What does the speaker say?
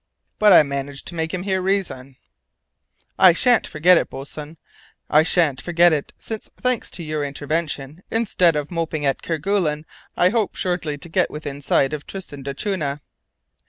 But I managed to make him hear reason." "I shan't forget it, boatswain, I shan't forget it, since, thanks to your intervention, instead of moping at Kerguelen I hope shortly to get within sight of Tristan d'Acunha."